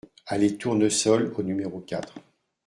Allée Tournesol au numéro quatre